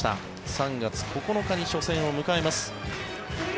３月９日に初戦を迎えます。